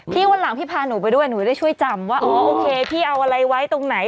วันหลังพี่พาหนูไปด้วยหนูได้ช่วยจำว่าอ๋อโอเคพี่เอาอะไรไว้ตรงไหน